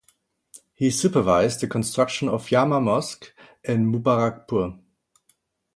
He supervised the construction of Jama Mosque in Mubarakpur.